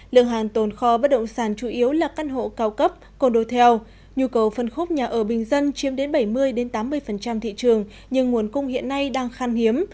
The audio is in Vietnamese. lượng hàng tồn kho bất động sản chủ yếu là căn hộ cao cấp còn đối theo nhu cầu phân khúc nhà ở bình dân chiếm đến bảy mươi tám mươi thị trường nhưng nguồn cung hiện nay đang khan hiếm